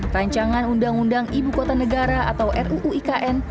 rancangan undang undang ibu kota negara atau ruuikn